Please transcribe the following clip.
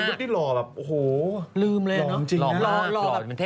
เออใช่แต่มันหล่อนจริงเมื่อก่อน